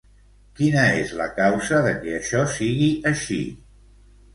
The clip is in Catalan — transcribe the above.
Quina és la causa de què això sigui així?